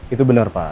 itu benar pak